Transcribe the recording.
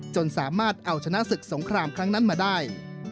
จนสามารถเอาชนะศึกสงครามครั้งนั้นมาได้